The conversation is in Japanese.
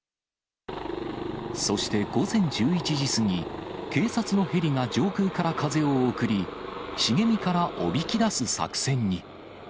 そして午前１１時過ぎ、警察のヘリが上空から風を送り、茂みからおびき出す作戦に。